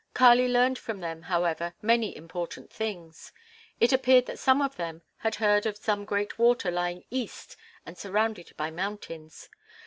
Kali learned from them, however, many important things; it appeared that some of them had heard of some great water lying east and surrounded by mountains.